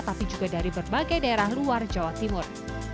tapi juga dari berbagai daerah luar jawa timur